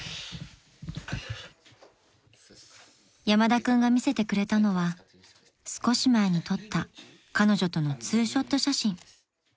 ［山田君が見せてくれたのは少し前に撮った彼女とのツーショット写真］